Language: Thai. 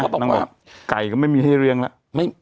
นางบอกไก่ไม่มีให้เลื่อนละ